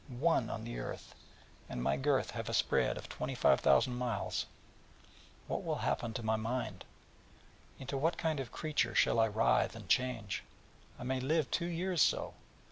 one on the earth... and my girth have a spread of 25,000 miles... what will happen to my mind? Into what kind of creature shall I writhe and change? I may live two years so!